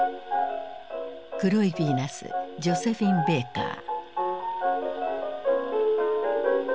黒いビーナスジョセフィン・ベーカー。